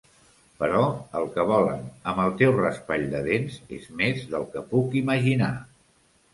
Però el que volen amb el teu raspall de dents és més del que puc imaginar.